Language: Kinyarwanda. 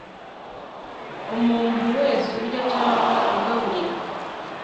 Umuntu wese urya cyangwa ugaburira.